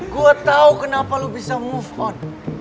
gua tau kenapa lu mau nge move on